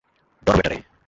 ধর বেটা রে!